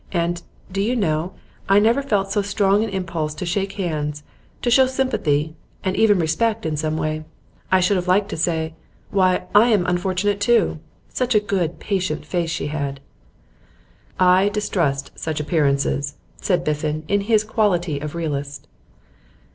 And, do you know, I never felt so strong an impulse to shake hands, to show sympathy, and even respect, in some way. I should have liked to say, "Why, I am unfortunate, too!" such a good, patient face she had.' 'I distrust such appearances,' said Biffen in his quality of realist.